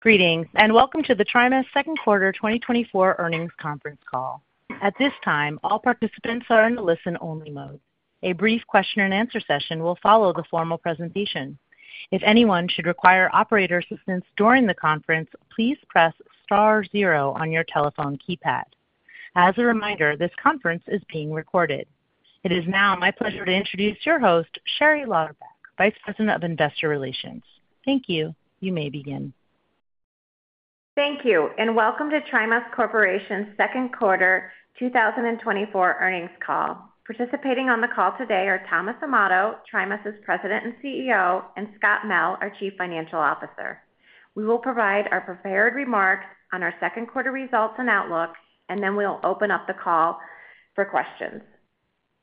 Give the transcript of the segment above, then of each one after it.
Greetings, and welcome to the TriMas second quarter 2024 earnings conference call. At this time, all participants are in listen-only mode. A brief question-and-answer session will follow the formal presentation. If anyone should require operator assistance during the conference, please press star zero on your telephone keypad. As a reminder, this conference is being recorded. It is now my pleasure to introduce your host, Sherrie Lauderback, Vice President of Investor Relations. Thank you. You may begin. Thank you, and welcome to TriMas Corporation's second quarter 2024 earnings call. Participating on the call today are Thomas Amato, TriMas's President and CEO, and Scott Mell, our Chief Financial Officer. We will provide our prepared remarks on our second quarter results and outlook, and then we'll open up the call for questions.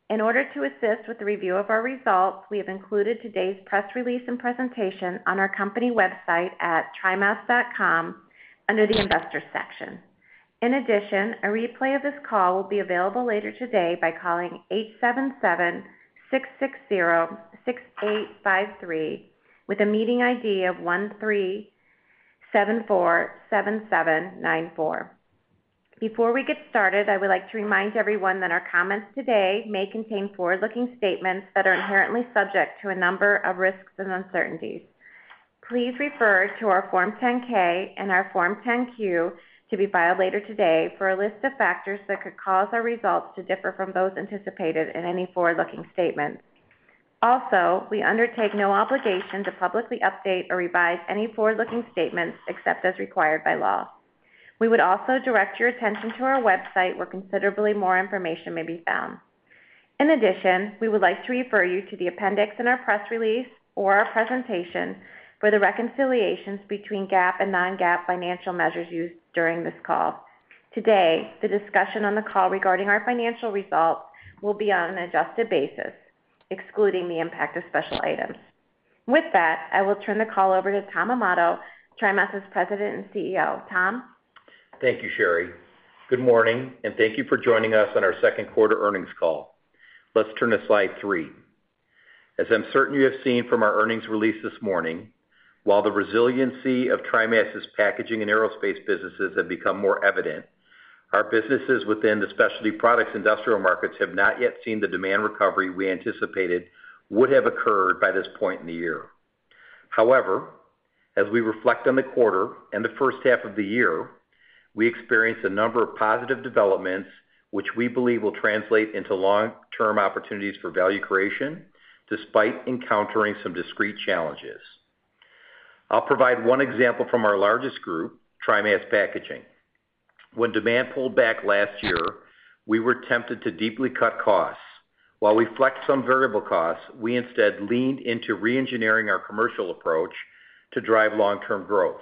In order to assist with the review of our results, we have included today's press release and presentation on our company website at trimas.com under the Investors section. In addition, a replay of this call will be available later today by calling 877-660-6853, with a meeting ID of 137477794. Before we get started, I would like to remind everyone that our comments today may contain forward-looking statements that are inherently subject to a number of risks and uncertainties. Please refer to our Form 10-K and our Form 10-Q to be filed later today for a list of factors that could cause our results to differ from those anticipated in any forward-looking statements. Also, we undertake no obligation to publicly update or revise any forward-looking statements except as required by law. We would also direct your attention to our website, where considerably more information may be found. In addition, we would like to refer you to the appendix in our press release or our presentation for the reconciliations between GAAP and non-GAAP financial measures used during this call. Today, the discussion on the call regarding our financial results will be on an adjusted basis, excluding the impact of special items. With that, I will turn the call over to Tom Amato, TriMas's President and CEO. Tom? Thank you, Sherrie. Good morning, and thank you for joining us on our second quarter earnings call. Let's turn to slide three. As I'm certain you have seen from our earnings release this morning, while the resiliency of TriMas Packaging and Aerospace businesses have become more evident, our businesses within the Specialty Products industrial markets have not yet seen the demand recovery we anticipated would have occurred by this point in the year. However, as we reflect on the quarter and the first half of the year, we experienced a number of positive developments, which we believe will translate into long-term opportunities for value creation, despite encountering some discrete challenges. I'll provide one example from our largest group, TriMas Packaging. When demand pulled back last year, we were tempted to deeply cut costs. While we flexed some variable costs, we instead leaned into reengineering our commercial approach to drive long-term growth.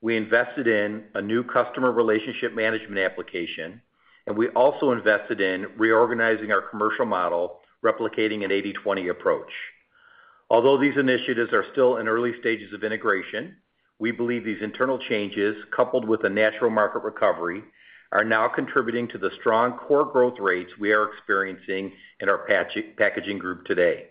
We invested in a new customer relationship management application, and we also invested in reorganizing our commercial model, replicating an 80/20 approach. Although these initiatives are still in early stages of integration, we believe these internal changes, coupled with a natural market recovery, are now contributing to the strong core growth rates we are experiencing in our packaging group today.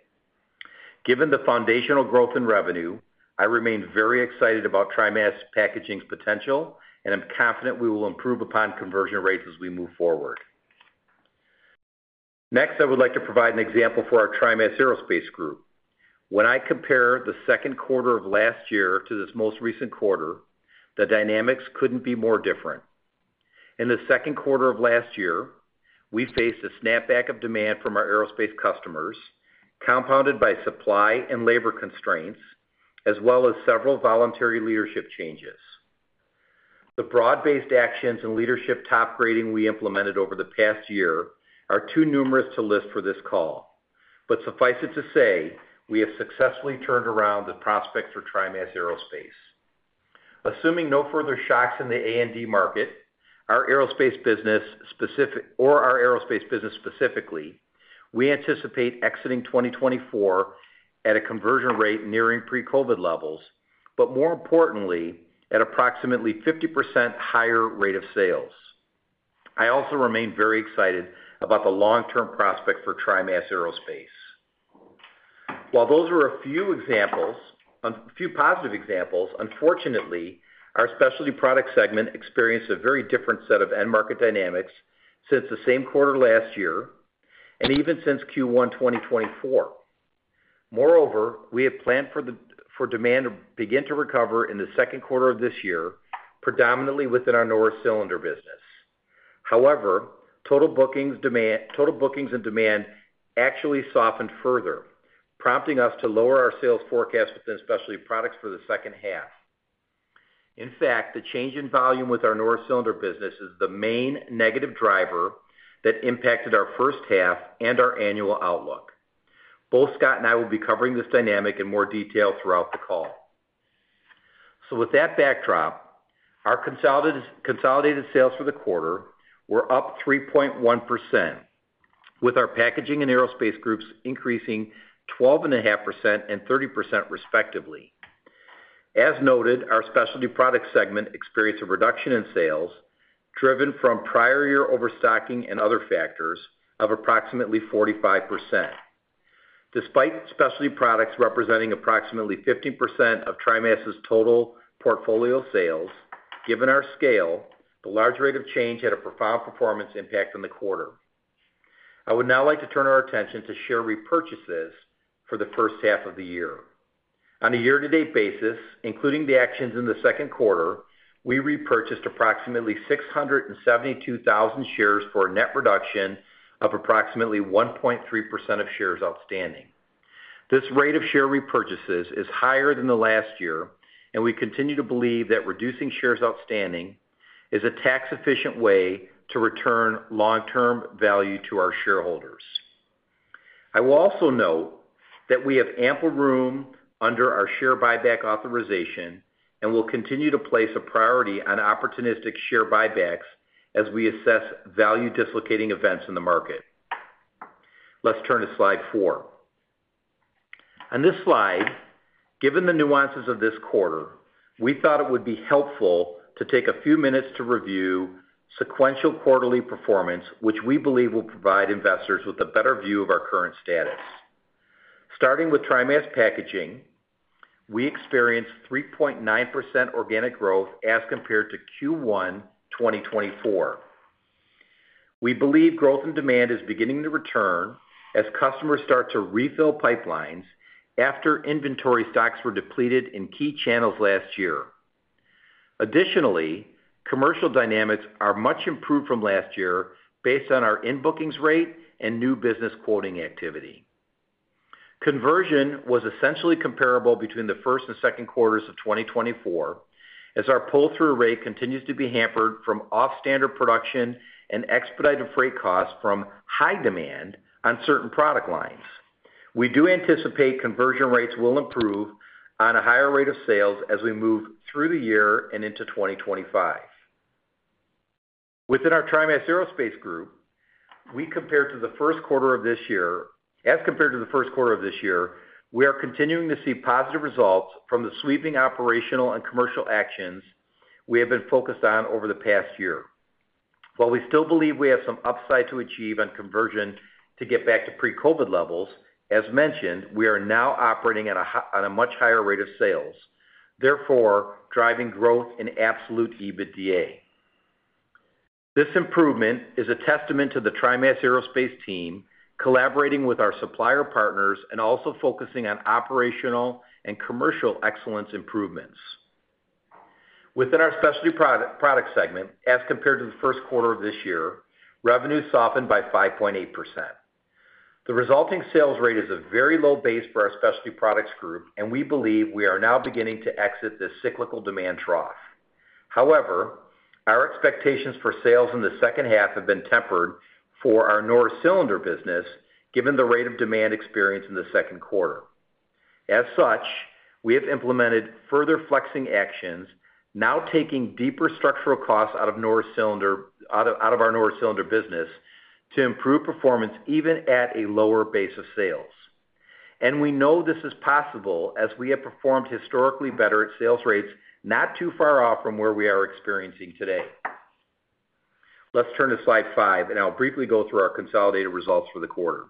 Given the foundational growth in revenue, I remain very excited about TriMas Packaging's potential, and I'm confident we will improve upon conversion rates as we move forward. Next, I would like to provide an example for our TriMas Aerospace group. When I compare the second quarter of last year to this most recent quarter, the dynamics couldn't be more different. In the second quarter of last year, we faced a snapback of demand from our aerospace customers, compounded by supply and labor constraints, as well as several voluntary leadership changes. The broad-based actions and leadership Topgrading we implemented over the past year are too numerous to list for this call, but suffice it to say, we have successfully turned around the prospects for TriMas Aerospace. Assuming no further shocks in the A&D market, our aerospace business specifically, we anticipate exiting 2024 at a conversion rate nearing pre-COVID levels, but more importantly, at approximately 50% higher rate of sales. I also remain very excited about the long-term prospect for TriMas Aerospace. While those were a few examples, a few positive examples, unfortunately, our Specialty Products segment experienced a very different set of end-market dynamics since the same quarter last year, and even since Q1 2024. Moreover, we have planned for demand to begin to recover in the second quarter of this year, predominantly within our Norris Cylinder business. However, total bookings and demand actually softened further, prompting us to lower our sales forecast within Specialty Products for the second half. In fact, the change in volume with our Norris Cylinder business is the main negative driver that impacted our first half and our annual outlook. Both Scott and I will be covering this dynamic in more detail throughout the call. So with that backdrop, our consolidated sales for the quarter were up 3.1%, with our Packaging and Aerospace groups increasing 12.5% and 30%, respectively. As noted, our Specialty Products segment experienced a reduction in sales, driven from prior year overstocking and other factors, of approximately 45%.... Despite specialty products representing approximately 15% of TriMas's total portfolio sales, given our scale, the large rate of change had a profound performance impact on the quarter. I would now like to turn our attention to share repurchases for the first half of the year. On a year-to-date basis, including the actions in the second quarter, we repurchased approximately 672,000 shares for a net reduction of approximately 1.3% of shares outstanding. This rate of share repurchases is higher than the last year, and we continue to believe that reducing shares outstanding is a tax-efficient way to return long-term value to our shareholders. I will also note that we have ample room under our share buyback authorization, and we'll continue to place a priority on opportunistic share buybacks as we assess value dislocating events in the market. Let's turn to Slide four. On this slide, given the nuances of this quarter, we thought it would be helpful to take a few minutes to review sequential quarterly performance, which we believe will provide investors with a better view of our current status. Starting with TriMas Packaging, we experienced 3.9% organic growth as compared to Q1 2024. We believe growth and demand is beginning to return as customers start to refill pipelines after inventory stocks were depleted in key channels last year. Additionally, commercial dynamics are much improved from last year based on our in-bookings rate and new business quoting activity. Conversion was essentially comparable between the first and second quarters of 2024, as our pull-through rate continues to be hampered from off-standard production and expedited freight costs from high demand on certain product lines. We do anticipate conversion rates will improve on a higher rate of sales as we move through the year and into 2025. Within our TriMas Aerospace group, we compare to the first quarter of this year, as compared to the first quarter of this year, we are continuing to see positive results from the sweeping operational and commercial actions we have been focused on over the past year. While we still believe we have some upside to achieve on conversion to get back to pre-COVID levels, as mentioned, we are now operating at a much higher rate of sales, therefore, driving growth in absolute EBITDA. This improvement is a testament to the TriMas Aerospace team, collaborating with our supplier partners and also focusing on operational and commercial excellence improvements. Within our Specialty Product Segment, as compared to the first quarter of this year, revenue softened by 5.8%. The resulting sales rate is a very low base for our specialty products group, and we believe we are now beginning to exit this cyclical demand trough. However, our expectations for sales in the second half have been tempered for our Norris Cylinder business, given the rate of demand experience in the second quarter. As such, we have implemented further flexing actions, now taking deeper structural costs out of our Norris Cylinder business to improve performance, even at a lower base of sales. We know this is possible as we have performed historically better at sales rates, not too far off from where we are experiencing today. Let's turn to Slide five, and I'll briefly go through our consolidated results for the quarter.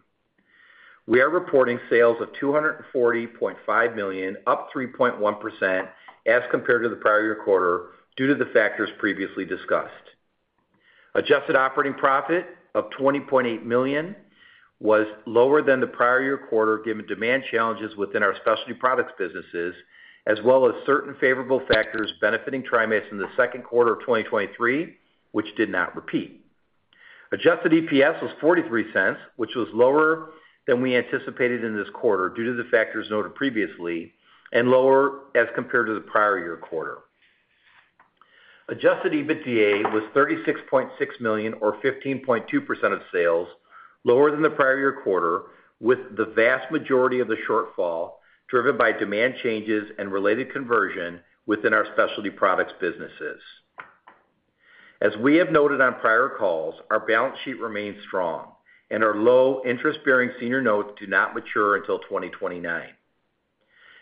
We are reporting sales of $240.5 million, up 3.1% as compared to the prior year quarter, due to the factors previously discussed. Adjusted operating profit of $20.8 million was lower than the prior year quarter, given demand challenges within our specialty products businesses, as well as certain favorable factors benefiting TriMas in the second quarter of 2023, which did not repeat. Adjusted EPS was $0.43, which was lower than we anticipated in this quarter due to the factors noted previously, and lower as compared to the prior year quarter. Adjusted EBITDA was $36.6 million or 15.2% of sales, lower than the prior year quarter, with the vast majority of the shortfall driven by demand changes and related conversion within our specialty products businesses. As we have noted on prior calls, our balance sheet remains strong, and our low interest-bearing senior notes do not mature until 2029.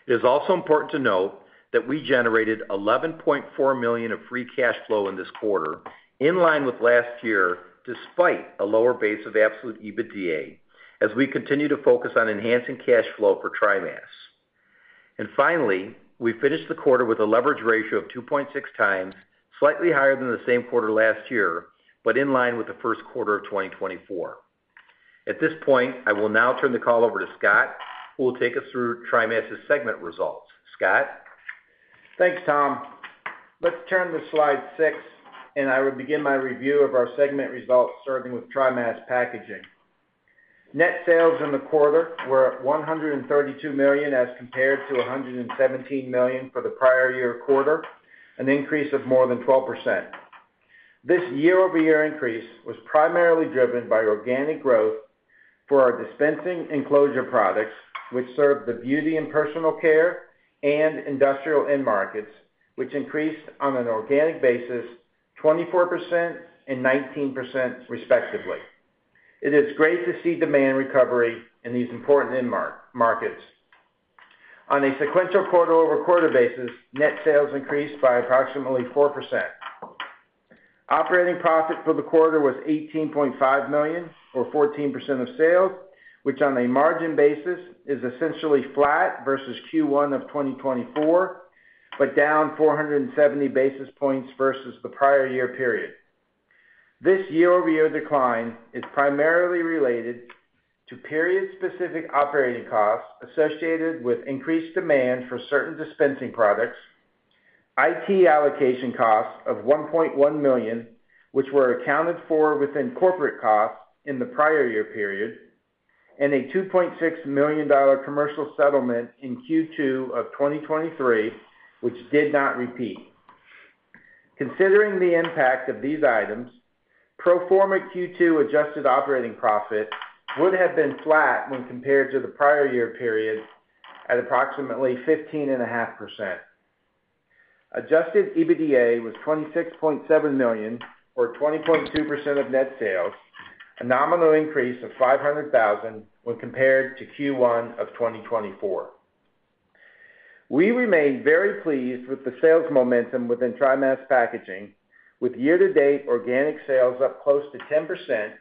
It is also important to note that we generated $11.4 million of free cash flow in this quarter, in line with last year, despite a lower base of absolute EBITDA, as we continue to focus on enhancing cash flow for TriMas. Finally, we finished the quarter with a leverage ratio of 2.6x, slightly higher than the same quarter last year, but in line with the first quarter of 2024. At this point, I will now turn the call over to Scott, who will take us through TriMas's segment results. Scott? Thanks, Tom. Let's turn to slide six, and I will begin my review of our segment results, starting with TriMas Packaging. Net sales in the quarter were at $132 million, as compared to $117 million for the prior year quarter, an increase of more than 12%. This year-over-year increase was primarily driven by organic growth for our dispensing enclosure products, which serve the beauty and personal care and industrial end markets, which increased on an organic basis 24% and 19% respectively. It is great to see demand recovery in these important end markets. On a sequential quarter-over-quarter basis, net sales increased by approximately 4%.... Operating profit for the quarter was $18.5 million, or 14% of sales, which on a margin basis is essentially flat versus Q1 of 2024, but down 470 basis points versus the prior year period. This year-over-year decline is primarily related to period-specific operating costs associated with increased demand for certain dispensing products, IT allocation costs of $1.1 million, which were accounted for within corporate costs in the prior year period, and a $2.6 million commercial settlement in Q2 of 2023, which did not repeat. Considering the impact of these items, pro forma Q2 adjusted operating profit would have been flat when compared to the prior year period at approximately 15.5%. Adjusted EBITDA was $26.7 million, or 20.2% of net sales, a nominal increase of $500,000 when compared to Q1 of 2024. We remain very pleased with the sales momentum within TriMas Packaging, with year-to-date organic sales up close to 10%,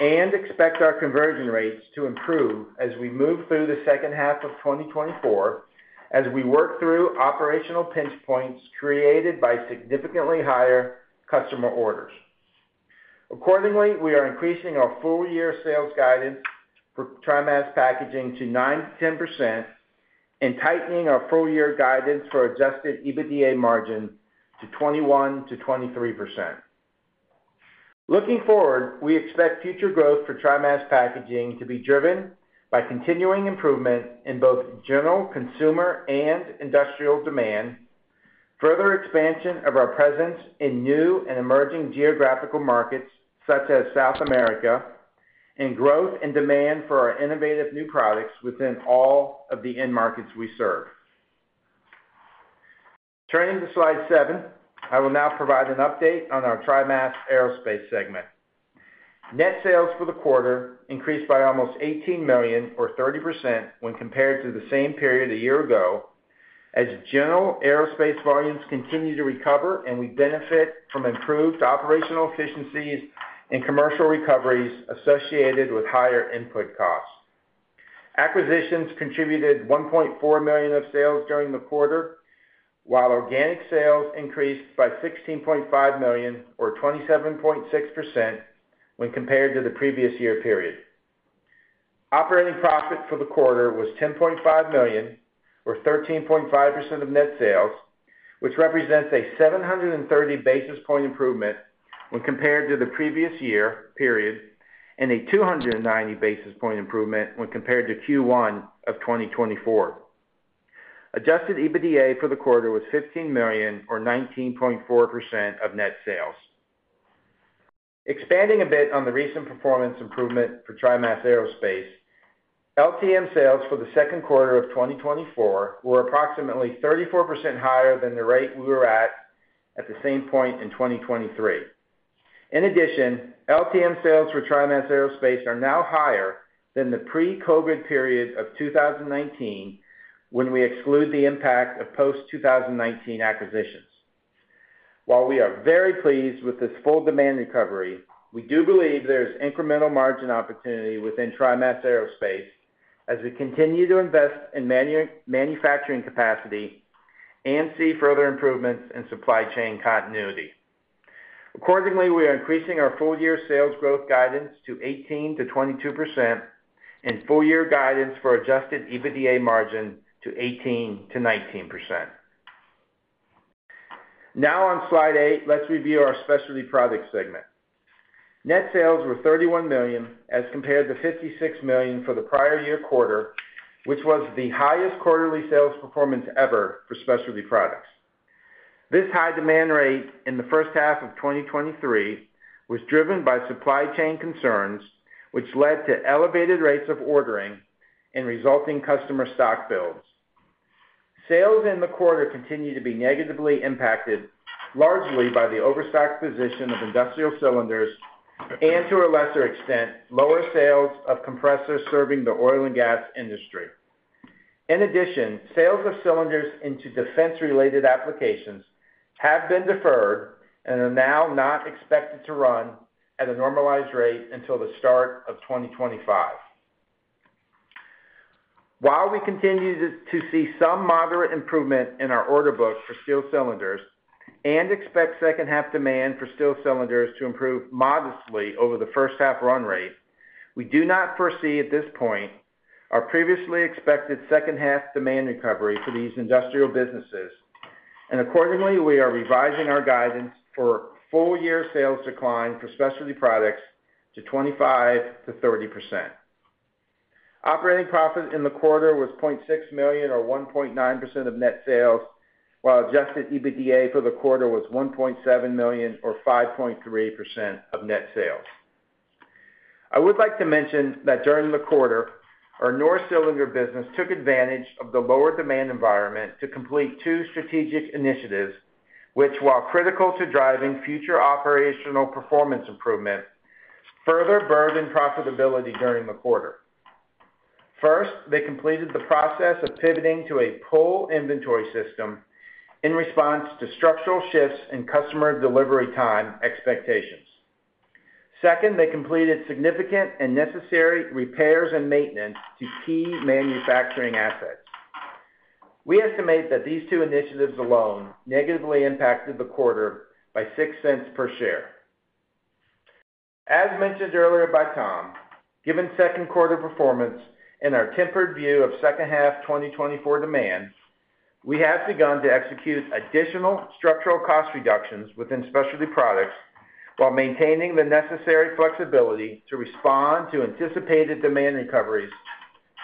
and expect our conversion rates to improve as we move through the second half of 2024, as we work through operational pinch points created by significantly higher customer orders. Accordingly, we are increasing our full-year sales guidance for TriMas Packaging to 9%-10% and tightening our full-year guidance for adjusted EBITDA margin to 21%-23%. Looking forward, we expect future growth for TriMas Packaging to be driven by continuing improvement in both general consumer and industrial demand, further expansion of our presence in new and emerging geographical markets, such as South America, and growth and demand for our innovative new products within all of the end markets we serve. Turning to Slide seven, I will now provide an update on our TriMas Aerospace segment. Net sales for the quarter increased by almost $18 million, or 30%, when compared to the same period a year ago, as general aerospace volumes continue to recover and we benefit from improved operational efficiencies and commercial recoveries associated with higher input costs. Acquisitions contributed $1.4 million of sales during the quarter, while organic sales increased by $16.5 million, or 27.6%, when compared to the previous year period. Operating profit for the quarter was $10.5 million, or 13.5% of net sales, which represents a 730 basis point improvement when compared to the previous year period, and a 290 basis point improvement when compared to Q1 of 2024. Adjusted EBITDA for the quarter was $15 million, or 19.4% of net sales. Expanding a bit on the recent performance improvement for TriMas Aerospace, LTM sales for the second quarter of 2024 were approximately 34% higher than the rate we were at, at the same point in 2023. In addition, LTM sales for TriMas Aerospace are now higher than the pre-COVID period of 2019, when we exclude the impact of post-2019 acquisitions. While we are very pleased with this full demand recovery, we do believe there is incremental margin opportunity within TriMas Aerospace as we continue to invest in manufacturing capacity and see further improvements in supply chain continuity. Accordingly, we are increasing our full-year sales growth guidance to 18%-22% and full-year guidance for adjusted EBITDA margin to 18%-19%. Now on Slide eight, let's review our Specialty Products segment. Net sales were $31 million, as compared to $56 million for the prior year quarter, which was the highest quarterly sales performance ever for Specialty Products. This high demand rate in the first half of 2023 was driven by supply chain concerns, which led to elevated rates of ordering and resulting customer stock builds. Sales in the quarter continued to be negatively impacted, largely by the overstock position of industrial cylinders and, to a lesser extent, lower sales of compressors serving the oil and gas industry. In addition, sales of cylinders into defense-related applications have been deferred and are now not expected to run at a normalized rate until the start of 2025. While we continue to see some moderate improvement in our order book for steel cylinders and expect second half demand for steel cylinders to improve modestly over the first half run rate, we do not foresee, at this point, our previously expected second half demand recovery for these industrial businesses. And accordingly, we are revising our guidance for full-year sales decline for Specialty Products to 25%-30%. Operating profit in the quarter was $0.6 million, or 1.9% of net sales, while adjusted EBITDA for the quarter was $1.7 million, or 5.3% of net sales. I would like to mention that during the quarter, our Norris Cylinder business took advantage of the lower demand environment to complete two strategic initiatives, which, while critical to driving future operational performance improvement, further burdened profitability during the quarter. First, they completed the process of pivoting to a pull inventory system in response to structural shifts in customer delivery time expectations. Second, they completed significant and necessary repairs and maintenance to key manufacturing assets. We estimate that these two initiatives alone negatively impacted the quarter by $0.06 per share. As mentioned earlier by Tom, given second quarter performance and our tempered view of second half 2024 demand, we have begun to execute additional structural cost reductions within specialty products, while maintaining the necessary flexibility to respond to anticipated demand recoveries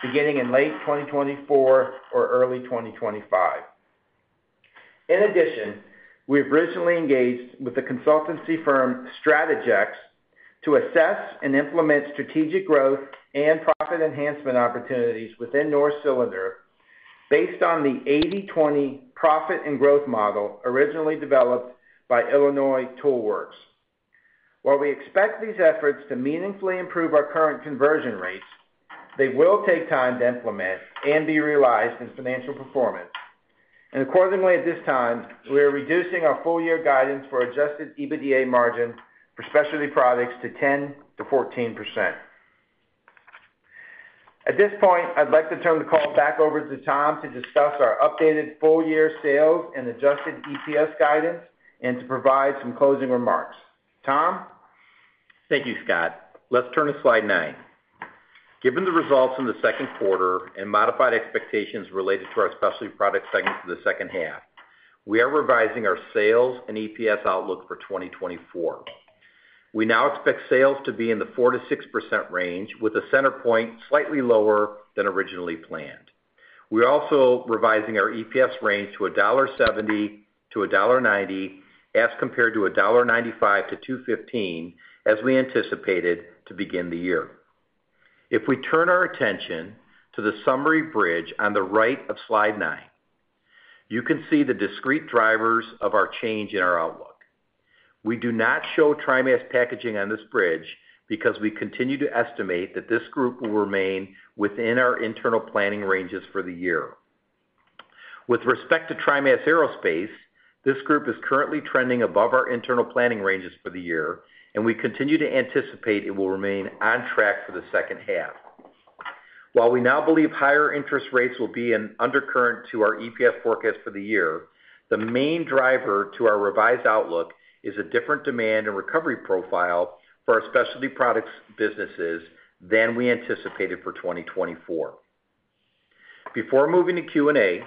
beginning in late 2024 or early 2025. In addition, we have recently engaged with the consultancy firm, Strategex, to assess and implement strategic growth and profit enhancement opportunities within Norris Cylinder based on the 80/20 profit and growth model originally developed by Illinois Tool Works. While we expect these efforts to meaningfully improve our current conversion rates, they will take time to implement and be realized in financial performance. Accordingly, at this time, we are reducing our full-year guidance for adjusted EBITDA margin for specialty products to 10%-14%. At this point, I'd like to turn the call back over to Tom to discuss our updated full-year sales and Adjusted EPS guidance and to provide some closing remarks. Tom? Thank you, Scott. Let's turn to slide nine. Given the results in the second quarter and modified expectations related to our specialty product segment for the second half, we are revising our sales and EPS outlook for 2024. We now expect sales to be in the 4%-6% range, with a center point slightly lower than originally planned. We're also revising our EPS range to $1.70-$1.90, as compared to $1.95-$2.15, as we anticipated to begin the year. If we turn our attention to the summary bridge on the right of slide 9, you can see the discrete drivers of our change in our outlook. We do not show TriMas Packaging on this bridge because we continue to estimate that this group will remain within our internal planning ranges for the year. With respect to TriMas Aerospace, this group is currently trending above our internal planning ranges for the year, and we continue to anticipate it will remain on track for the second half. While we now believe higher interest rates will be an undercurrent to our EPS forecast for the year, the main driver to our revised outlook is a different demand and recovery profile for our specialty products businesses than we anticipated for 2024. Before moving to Q&A,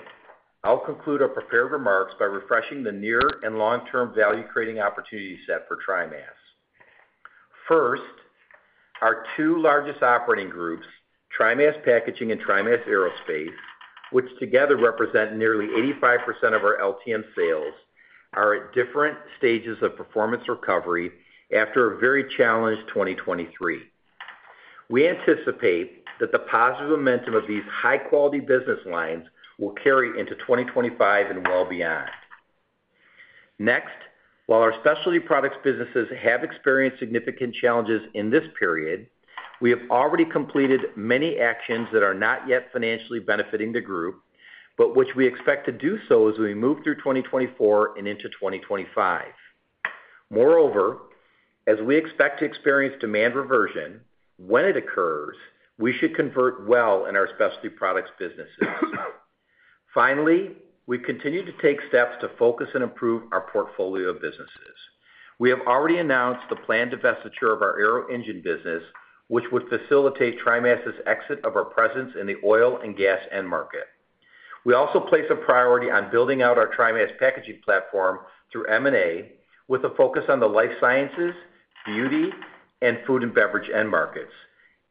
I'll conclude our prepared remarks by refreshing the near and long-term value-creating opportunity set for TriMas. First, our two largest operating groups, TriMas Packaging and TriMas Aerospace, which together represent nearly 85% of our LTM sales, are at different stages of performance recovery after a very challenged 2023. We anticipate that the positive momentum of these high-quality business lines will carry into 2025 and well beyond. Next, while our specialty products businesses have experienced significant challenges in this period, we have already completed many actions that are not yet financially benefiting the group, but which we expect to do so as we move through 2024 and into 2025. Moreover, as we expect to experience demand reversion, when it occurs, we should convert well in our specialty products businesses. Finally, we continue to take steps to focus and improve our portfolio of businesses. We have already announced the planned divestiture of our Arrow Engine business, which would facilitate TriMas' exit of our presence in the oil and gas end market. We also place a priority on building out our TriMas Packaging platform through M&A, with a focus on the life sciences, beauty, and food and beverage end markets,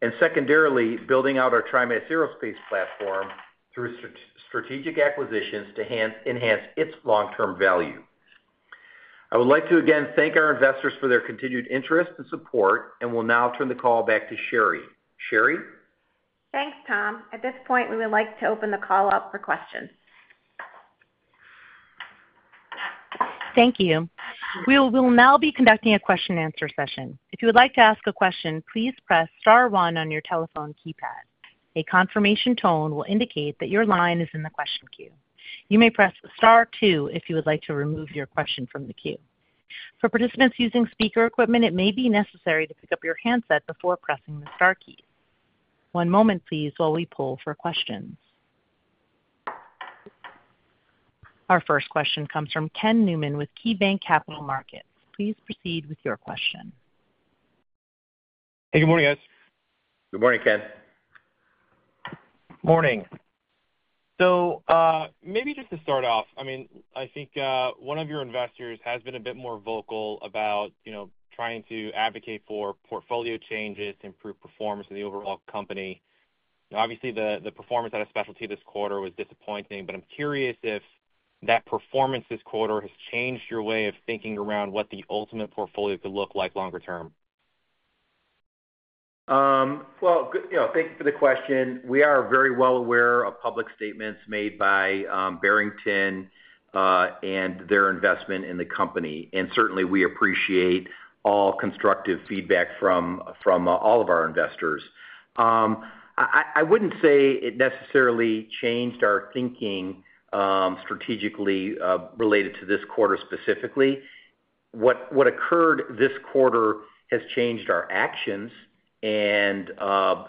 and secondarily, building out our TriMas Aerospace platform through strategic acquisitions to enhance its long-term value. I would like to again thank our investors for their continued interest and support, and will now turn the call back to Sherrie. Sherrie? Thanks, Tom. At this point, we would like to open the call up for questions. Thank you. We will now be conducting a question-and-answer session. If you would like to ask a question, please press star one on your telephone keypad. A confirmation tone will indicate that your line is in the question queue. You may press star two if you would like to remove your question from the queue. For participants using speaker equipment, it may be necessary to pick up your handset before pressing the star key. One moment, please, while we pull for questions. Our first question comes from Ken Newman with KeyBanc Capital Markets. Please proceed with your question. Hey, good morning, guys. Good morning, Ken. Morning. So, maybe just to start off, I mean, I think, one of your investors has been a bit more vocal about, you know, trying to advocate for portfolio changes to improve performance of the overall company. Obviously, the performance out of specialty this quarter was disappointing, but I'm curious if that performance this quarter has changed your way of thinking around what the ultimate portfolio could look like longer term?... Well, good, you know, thank you for the question. We are very well aware of public statements made by Barington and their investment in the company. And certainly, we appreciate all constructive feedback from all of our investors. I wouldn't say it necessarily changed our thinking strategically related to this quarter, specifically. What occurred this quarter has changed our actions and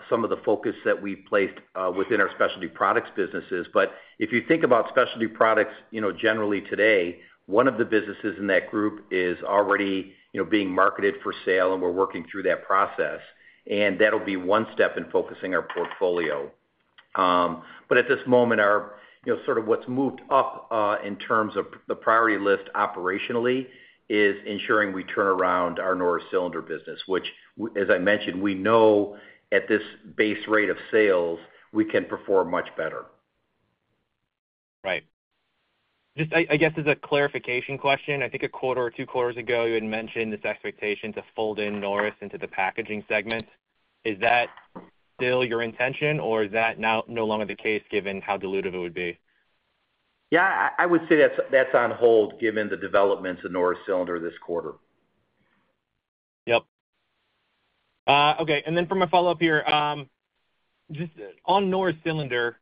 some of the focus that we've placed within our specialty products businesses. But if you think about specialty products, you know, generally today, one of the businesses in that group is already, you know, being marketed for sale, and we're working through that process, and that'll be one step in focusing our portfolio. But at this moment, our, you know, sort of what's moved up in terms of the priority list operationally is ensuring we turn around our Norris Cylinder business, which, as I mentioned, we know at this base rate of sales, we can perform much better. Right. Just, I, I guess, as a clarification question, I think a quarter or two quarters ago, you had mentioned this expectation to fold in Norris into the packaging segment. Is that still your intention, or is that now no longer the case, given how dilutive it would be? Yeah, I would say that's on hold given the developments in Norris Cylinder this quarter. Yep. Okay, and then for my follow-up here, just on Norris Cylinder,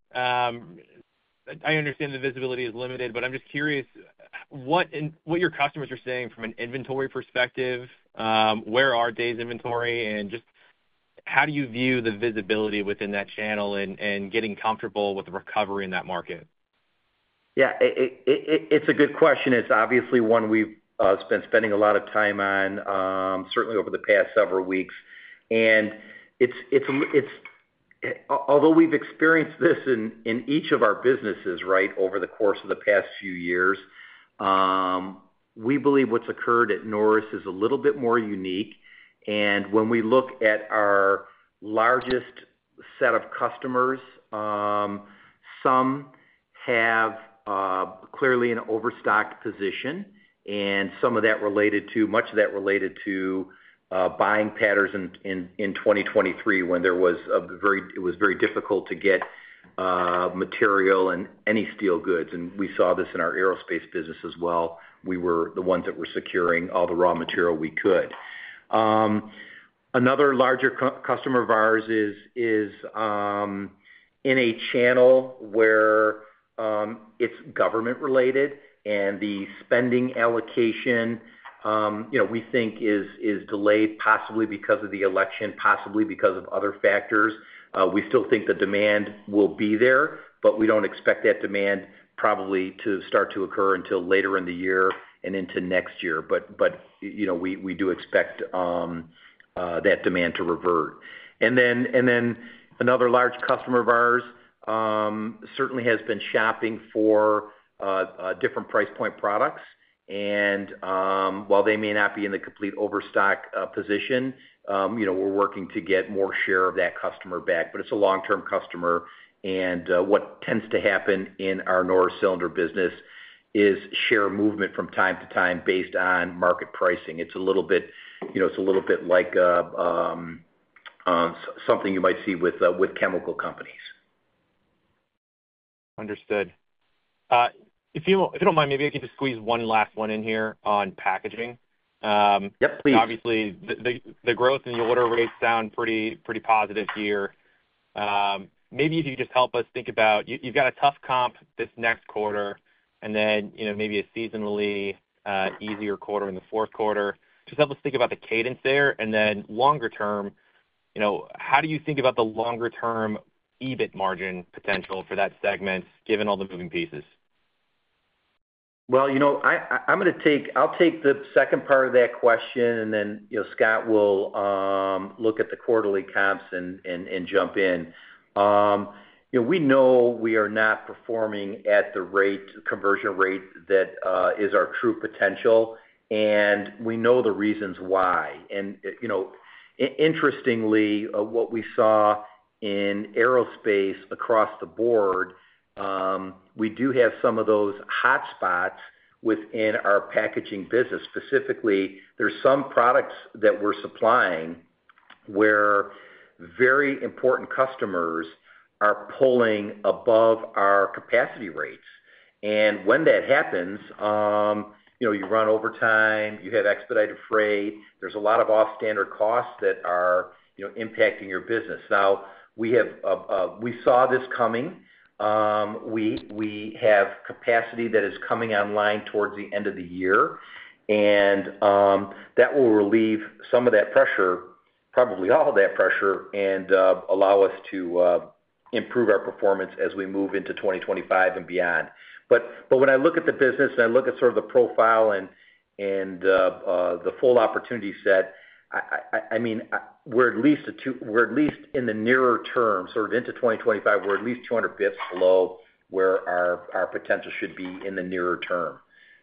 I understand the visibility is limited, but I'm just curious what your customers are saying from an inventory perspective, where are days inventory, and just how do you view the visibility within that channel and getting comfortable with the recovery in that market? Yeah, it's a good question. It's obviously one we've spent a lot of time on, certainly over the past several weeks. And it's – although we've experienced this in each of our businesses, right, over the course of the past few years, we believe what's occurred at Norris is a little bit more unique. And when we look at our largest set of customers, some have clearly an overstocked position, and some of that related to – much of that related to buying patterns in 2023, when there was a very – it was very difficult to get material and any steel goods. And we saw this in our aerospace business as well. We were the ones that were securing all the raw material we could. Another larger customer of ours is in a channel where it's government related, and the spending allocation, you know, we think is delayed, possibly because of the election, possibly because of other factors. We still think the demand will be there, but we don't expect that demand probably to start to occur until later in the year and into next year. But you know, we do expect that demand to revert. And then another large customer of ours certainly has been shopping for a different price point products, and while they may not be in the complete overstock position, you know, we're working to get more share of that customer back. But it's a long-term customer, and what tends to happen in our Norris Cylinder business is share movement from time to time based on market pricing. It's a little bit, you know, it's a little bit like something you might see with, with chemical companies. Understood. If you will, if you don't mind, maybe I can just squeeze one last one in here on packaging. Yep, please. Obviously, the growth in the order rates sound pretty positive here. Maybe if you could just help us think about... You've got a tough comp this next quarter, and then, you know, maybe a seasonally easier quarter in the fourth quarter. Just help us think about the cadence there, and then longer term, you know, how do you think about the longer-term EBIT margin potential for that segment, given all the moving pieces? Well, you know, I'm gonna take--I'll take the second part of that question, and then, you know, Scott will look at the quarterly comps and jump in. You know, we know we are not performing at the rate, conversion rate that is our true potential, and we know the reasons why. And, you know, interestingly, what we saw in aerospace across the board, we do have some of those hotspots within our packaging business. Specifically, there's some products that we're supplying, where very important customers are pulling above our capacity rates. And when that happens, you know, you run overtime, you have expedited freight. There's a lot of off-standard costs that are, you know, impacting your business. Now, we have, we saw this coming. We have capacity that is coming online towards the end of the year, and that will relieve some of that pressure, probably all of that pressure, and allow us to improve our performance as we move into 2025 and beyond. But when I look at the business, and I look at sort of the profile and the full opportunity set, I mean, we're at least in the nearer term, sort of into 2025, we're at least 200 basis points below where our potential should be in the nearer term.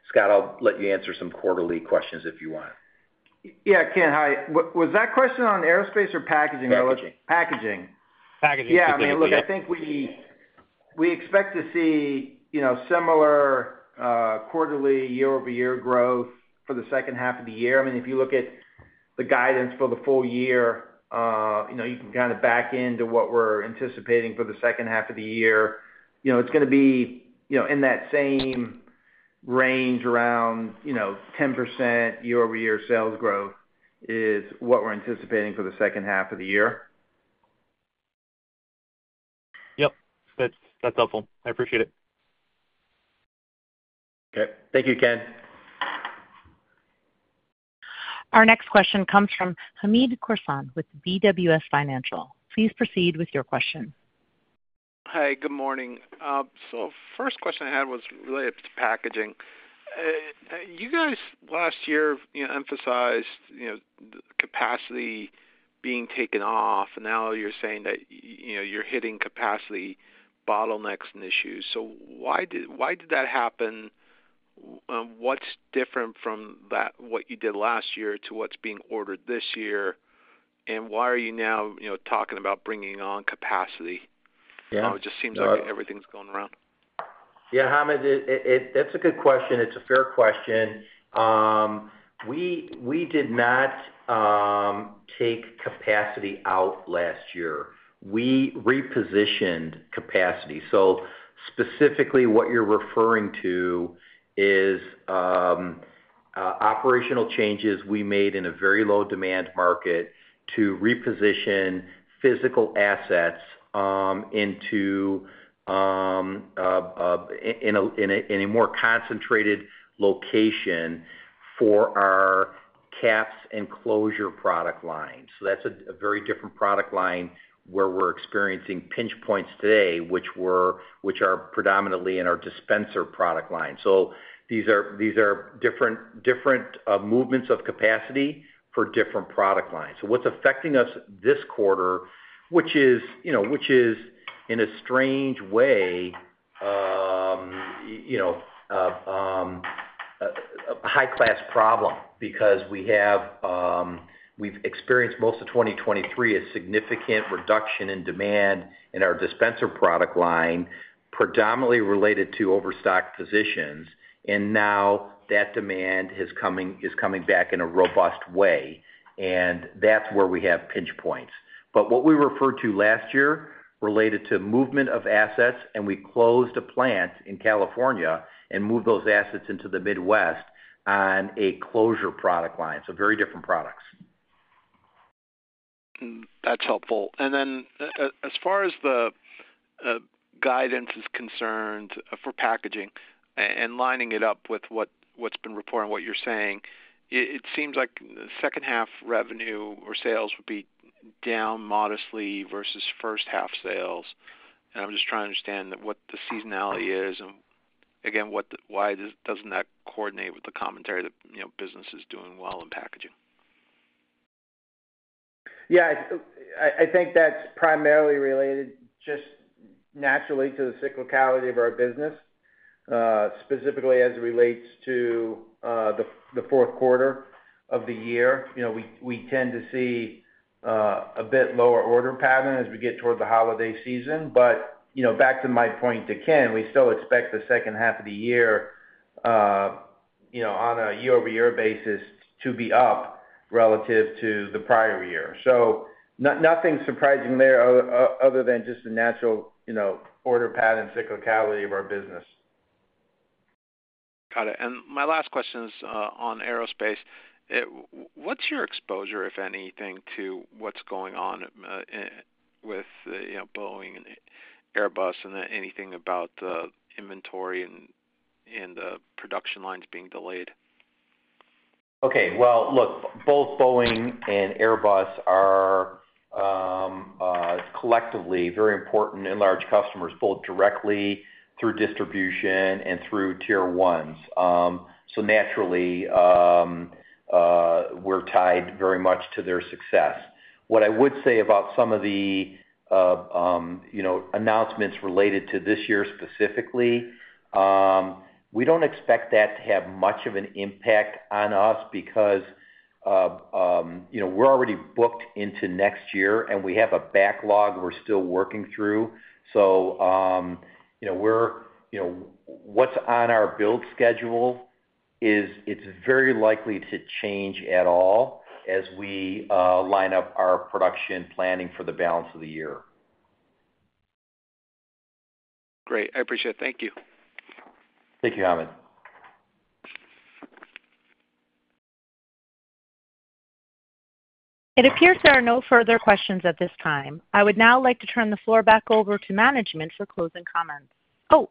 Scott, I'll let you answer some quarterly questions if you want. Yeah, Ken, hi. Was that question on Aerospace or Packaging? Packaging. Packaging. Packaging. Yeah, I mean, look, I think we-... We expect to see, you know, similar, quarterly year-over-year growth for the second half of the year. I mean, if you look at the guidance for the full year, you know, you can kind of back into what we're anticipating for the second half of the year. You know, it's gonna be, you know, in that same range around, you know, 10% year-over-year sales growth is what we're anticipating for the second half of the year. Yep, that's, that's helpful. I appreciate it. Okay. Thank you, Ken. Our next question comes from Hamed Khorsand with BWS Financial. Please proceed with your question. Hi, good morning. So first question I had was related to packaging. You guys, last year, you know, emphasized, you know, capacity being taken off, and now you're saying that, you know, you're hitting capacity bottlenecks and issues. So why did that happen? What's different from that, what you did last year to what's being ordered this year? And why are you now, you know, talking about bringing on capacity? Yeah. It just seems like everything's going around. Yeah, Hamed, that's a good question. It's a fair question. We did not take capacity out last year. We repositioned capacity. So specifically, what you're referring to is operational changes we made in a very low demand market to reposition physical assets into a more concentrated location for our caps and closure product line. So that's a very different product line where we're experiencing pinch points today, which are predominantly in our dispenser product line. So these are different movements of capacity for different product lines. So what's affecting us this quarter, which is, you know, which is, in a strange way, you know, a high-class problem because we have, we've experienced most of 2023, a significant reduction in demand in our dispensing product line, predominantly related to overstock positions, and now that demand is coming, is coming back in a robust way, and that's where we have pinch points. But what we referred to last year related to movement of assets, and we closed a plant in California and moved those assets into the Midwest on a closure product line, so very different products. That's helpful. And then as far as the guidance is concerned for packaging and lining it up with what's been reported and what you're saying, it seems like the second half revenue or sales would be down modestly versus first half sales. And I'm just trying to understand what the seasonality is, and again, why doesn't that coordinate with the commentary that, you know, business is doing well in packaging? Yeah. I think that's primarily related just naturally to the cyclicality of our business, specifically as it relates to the fourth quarter of the year. You know, we tend to see a bit lower order pattern as we get toward the holiday season. But, you know, back to my point to Ken, we still expect the second half of the year, you know, on a year-over-year basis, to be up relative to the prior year. So nothing surprising there other than just the natural, you know, order pattern cyclicality of our business. Got it. And my last question is on aerospace. What's your exposure, if anything, to what's going on with, you know, Boeing and Airbus, and anything about the inventory and production lines being delayed? Okay, well, look, both Boeing and Airbus are collectively very important and large customers, both directly through distribution and through tier ones. So naturally, we're tied very much to their success. What I would say about some of the, you know, announcements related to this year specifically, we don't expect that to have much of an impact on us because, you know, we're already booked into next year, and we have a backlog we're still working through. So, you know, we're, you know, what's on our build schedule is it's very likely to change at all as we line up our production planning for the balance of the year. Great, I appreciate it. Thank you. Thank you, Hamed. It appears there are no further questions at this time. I would now like to turn the floor back over to management for closing comments. Oh.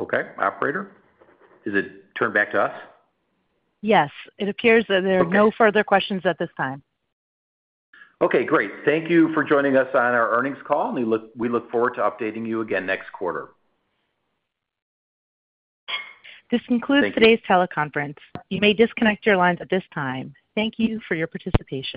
Okay, operator, is it turned back to us? Yes, it appears that there- Okay. are no further questions at this time. Okay, great. Thank you for joining us on our earnings call, and we look forward to updating you again next quarter. This concludes- Thank you. Today's teleconference. You may disconnect your lines at this time. Thank you for your participation.